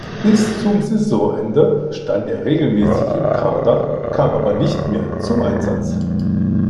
Bis zum Saisonende stand er regelmäßig im Kader, kam aber nicht mehr zum Einsatz.